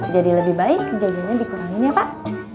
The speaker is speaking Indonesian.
jadi lebih baik jajannya dikurangin ya pak